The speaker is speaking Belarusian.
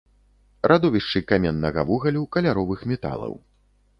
Радовішчы каменнага вугалю, каляровых металаў.